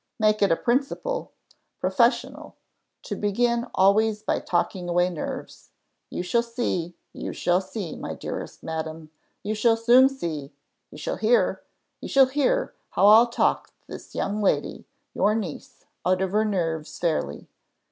Make it a principle professional, to begin always by talking away nerves. You shall see, you shall see, my dearest madam; you shall soon see you shall hear, you shall hear how I'll talk this young lady your niece out of her nerves fairly.